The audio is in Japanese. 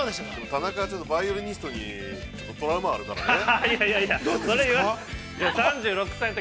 ◆田中は、バイオリニストにトラウマがあるからね。